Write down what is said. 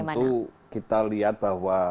tentu kita lihat bahwa